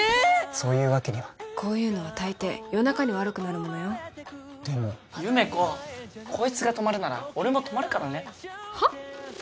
そういうわけにはこういうのは大抵夜中に悪くなるものよでも優芽子こいつが泊まるなら俺も泊まるからねはっ？